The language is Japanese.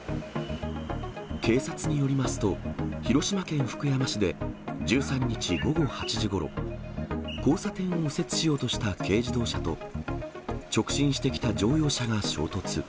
警察によりますと、広島県福山市で、１３日午後８時ごろ、交差点を右折しようとした軽自動車と、直進してきた乗用車が衝突。